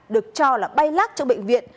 được cho là bay lắc trong bệnh viện